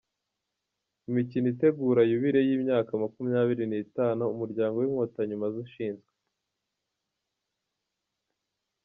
Imikino itegura yubile y’imyaka makumyabiri nitanu umuryango winkotanyi umaze ushinzwe